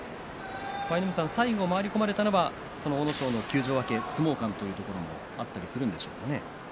舞の海さん、最後回り込まれたのは阿武咲休場明け、相撲勘というところもあったりするんでしょうかね。